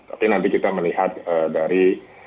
tapi nanti kita melihat dari